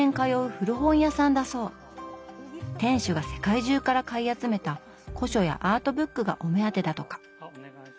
店主が世界中から買い集めた古書やアートブックがお目当てだとか。